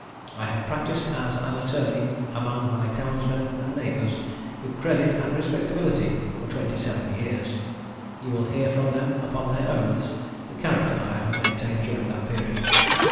I have practised as an attorney among my townsmen and neighbours with credit and respectability for twenty seven years; you will hear from them upon their oaths, the character I have maintained during that period.